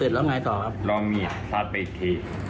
เรามีดซาดไปอีกที